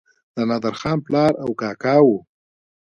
د نادرخان پلار او کاکا وو.